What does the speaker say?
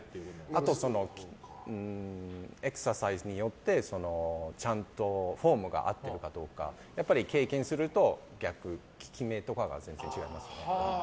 あとエクササイズによってちゃんとフォームが合ってるかどうかやっぱり経験すると逆、効き目とかが全然違います。